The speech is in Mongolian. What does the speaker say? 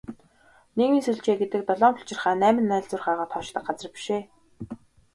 Нийгмийн сүлжээ гэдэг долоон булчирхай, найман найлзуурхайгаа тоочдог газар биш ээ.